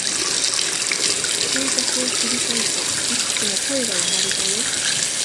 静寂を切り裂いて、幾つも声が生まれたよ